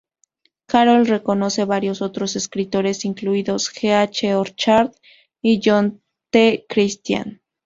Carroll reconoce varios otros escritores, incluidos G. H. Orchard y John T. Christian.